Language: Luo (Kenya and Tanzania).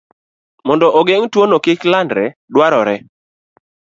Mondo ogeng' tuwono kik landre, dwarore